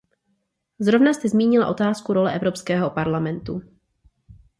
Zrovna jste zmínila otázku role Evropského parlamentu.